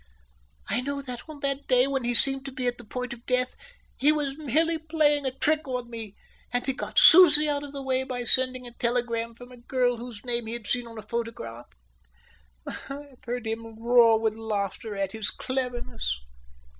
I know that on that day when he seemed to be at the point of death, he was merely playing a trick on me, and he got Susie out of the way by sending a telegram from a girl whose name he had seen on a photograph. I've heard him roar with laughter at his cleverness."